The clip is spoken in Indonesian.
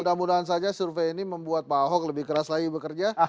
mudah mudahan saja survei ini membuat pak ahok lebih keras lagi bekerja